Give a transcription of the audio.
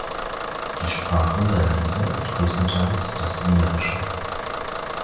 Die Sprache seiner Lieder ist größtenteils das Wienerische.